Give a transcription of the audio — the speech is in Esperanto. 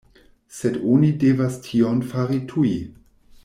Sed oni devas tion fari tuj!